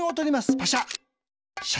パシャ。